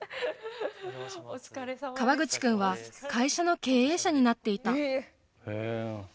川口君は会社の経営者になっていた。